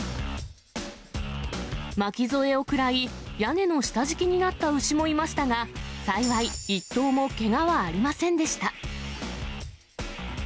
巻き添えを食らい、屋根の下敷きになった牛もいましたが、幸い、一頭もけがはありませんでした。